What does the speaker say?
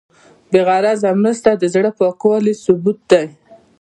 بېغرضه مرسته د زړه پاکوالي ثبوت دی.